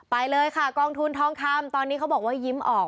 ไปเลยค่ะกองทุนทองคำตอนนี้เขาบอกว่ายิ้มออก